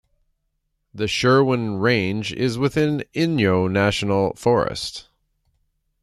The Sherwin Range is within Inyo National Forest.